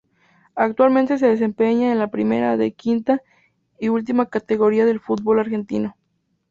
Actualmente se desempeña en la Primera D quinta y última categoría del Fútbol argentino.